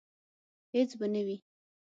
هیڅ به نه وي